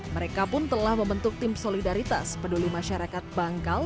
mereka pun telah membentuk tim solidaritas peduli masyarakat bangkal